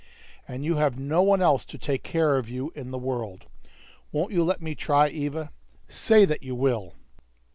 And you have no one else to take care of you in the world! Won't you let me try, Eva? Say that you will!"